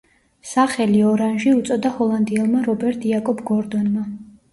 სახელი „ორანჟი“ უწოდა ჰოლანდიელმა რობერტ იაკობ გორდონმა.